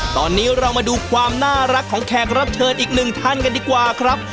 ตอนนี้เรามาดูความน่ารักของแขกรับเชิญอีกหนึ่งท่านกันดีกว่าครับ